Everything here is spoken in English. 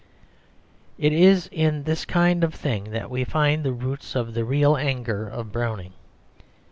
It is in this kind of thing that we find the roots of the real anger of Browning.